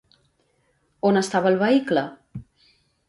On estava el vehicle?